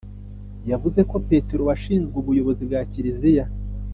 yavuze ko petero washinzwe ubuyobozi bwa kiliziya